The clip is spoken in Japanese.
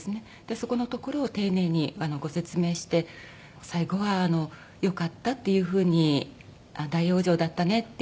そこのところを丁寧にご説明して最後はよかったっていう風に大往生だったねっていう。